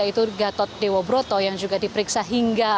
yaitu gatot dewobroto yang juga diperiksa